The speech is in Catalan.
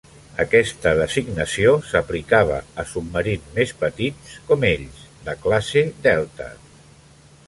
Aquesta designació s'aplicava a submarins més petits com ells de classe Delta.